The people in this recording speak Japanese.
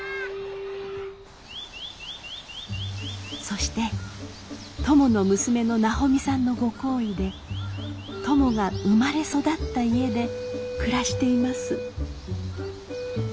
「そしてトモの娘の奈穂美さんのご好意でトモが生まれ育った家で暮らしています。